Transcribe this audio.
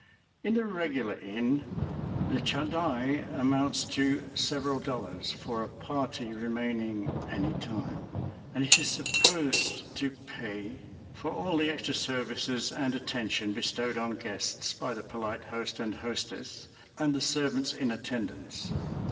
In the regular inn, the chadai amounts to several dollars, for a party remaining any time, and it is supposed to pay for all the extra services and attention bestowed on guests by the polite host and hostess and the servants in attendance.